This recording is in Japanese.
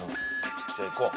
じゃあいこう。